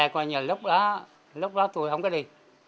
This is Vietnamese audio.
năm mươi ba coi như lúc đó lúc đó tôi không có đi